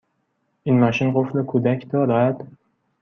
این ماشین قفل کودک دارد؟